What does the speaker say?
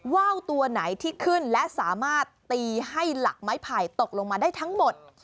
ว่าวตัวไหนที่ขึ้นและสามารถตีให้หลักไม้ไผ่ตกลงมาได้ทั้งหมด